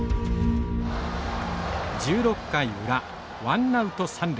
１６回裏ワンナウト三塁。